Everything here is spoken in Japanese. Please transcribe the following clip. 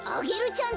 ちゃん